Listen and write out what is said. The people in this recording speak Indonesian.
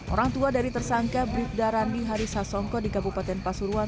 orang tua dari tersangka beribda randi hari sasongko di kabupaten pasuruan